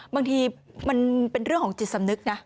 บางทีมันเป็นเรื่องของจิตสำนึกนะ